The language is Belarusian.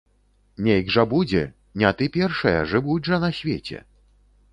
Нейк жа будзе, не ты першая, жывуць жа на свеце.